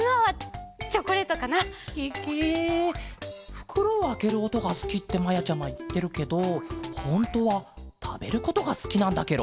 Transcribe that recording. ふくろをあけるおとがすきってまやちゃまいってるけどほんとはたべることがすきなんだケロ？